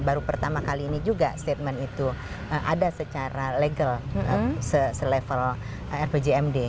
baru pertama kali ini juga statement itu ada secara legal selevel rpjmd